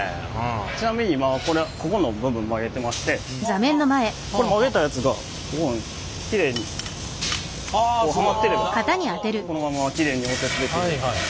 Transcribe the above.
ちなみに今これここの部分曲げてまして曲げたやつがここにきれいにはまってればこのままきれいに溶接できるよっていう。